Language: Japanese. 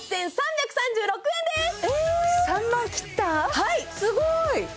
はいすごい！